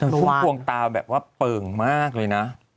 ทุ่มพวงตาแบบว่าเปิ่งมากเลยนะ